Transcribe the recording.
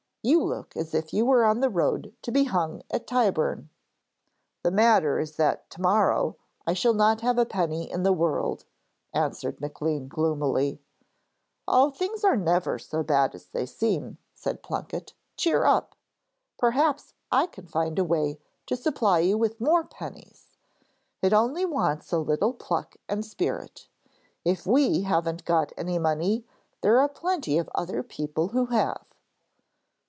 You look as if you were on the road to be hung at Tyburn.' 'The matter is that to morrow I shall not have a penny in the world,' answered Maclean, gloomily. 'Oh, things are never so bad as they seem,' said Plunket. 'Cheer up. Perhaps I can find a way to supply you with more pennies. It only wants a little pluck and spirit! If we haven't got any money, there are plenty of other people who have.'